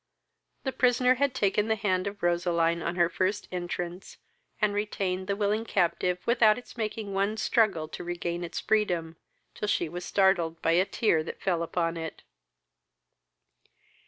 The prisoner had taken the hand of Roseline on her first entrance, and retained the willing captive without its making one struggle to regain its freedom, till she was startled by a tear that fell upon it.